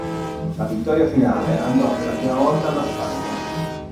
La vittoria finale andò per la prima volta alla Spagna.